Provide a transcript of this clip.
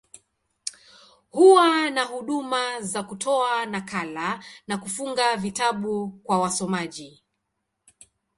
Huwa na huduma za kutoa nakala, na kufunga vitabu kwa wasomaji.